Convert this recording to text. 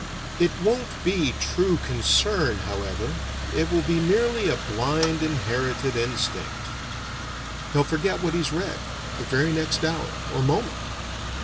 It won't be true concern, however, it will be merely a blind inherited instinct. He'll forget what he's read, the very next hour, or moment.